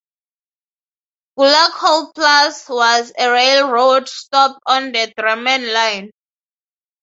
Gullaug holdeplass was a railroad stop on the Drammen Line.